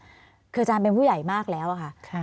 คืออาจารย์เป็นผู้ใหญ่มากแล้วค่ะ